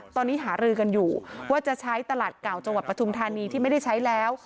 ตอนนี้หารือกันอยู่ว่าจะใช้ตลาดเก่าจังหวัดปทุมธานีที่ไม่ได้ใช้แล้ว